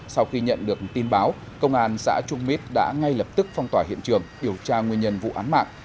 sau khi nhận được tin báo công an xã trung mít đã ngay lập tức phong tỏa hiện trường điều tra nguyên nhân vụ án mạng